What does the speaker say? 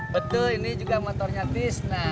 betul ini juga motornya bis